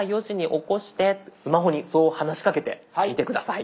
スマホにそう話しかけてみて下さい。